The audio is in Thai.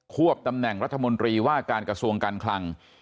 วบตำแหน่งรัฐมนตรีว่าการกระทรวงการคลัง